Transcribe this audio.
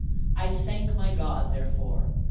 I thank my God therefore."